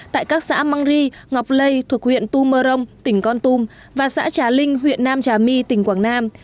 tại các xã mang ri ngọc lây thuộc huyện tum mơ rông tỉnh con tum và xã trà linh huyện nam trà my tỉnh quảng nam